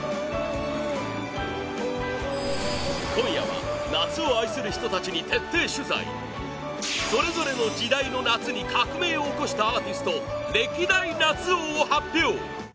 今夜は、夏を愛する人たちに徹底取材それぞれの時代の夏に革命を起こしたアーティスト歴代夏王を発表！